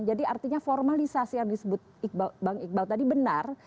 jadi artinya formalisasi yang disebut bang iqbal tadi benar